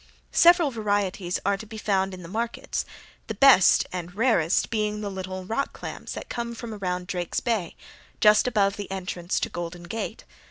Several varieties are to be found in the markets, the best and rarest being the little rock clams that come from around Drake's Bay, just above the entrance to Golden Gate.